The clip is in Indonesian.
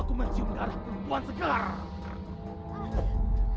aku mencium darah perempuan segala